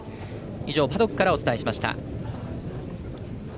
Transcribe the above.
以上、パドックからお伝えしました。